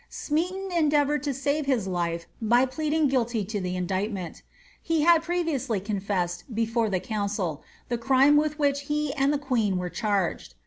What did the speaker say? Smeaton endeavoured to save his life by pleading guilty to the indict , ment. He had previously confessed, before the council, the crime with which he and the queen were charged.